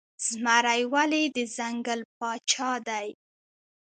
زمری ولې د ځنګل پاچا دی؟